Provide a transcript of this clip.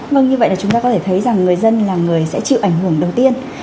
vâng như vậy là chúng ta có thể thấy rằng người dân là người sẽ chịu ảnh hưởng đầu tiên